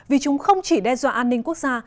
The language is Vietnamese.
vì chúng không chỉ đe dọa an ninh quốc gia